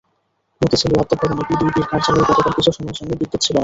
মতিঝিল ওয়াপদা ভবনে পিডিবির কার্যালয় গতকাল কিছু সময়ের জন্য বিদ্যুৎ ছিল না।